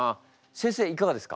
先生いかがですか？